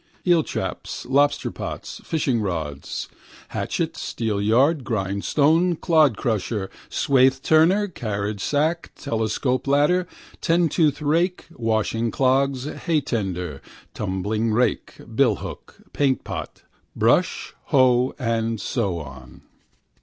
Eeltraps, lobsterpots, fishingrods, hatchet, steelyard, grindstone, clodcrusher, swatheturner, carriagesack, telescope ladder, 10 tooth rake, washing clogs, haytedder, tumbling rake, billhook, paintpot, brush, hoe and so on.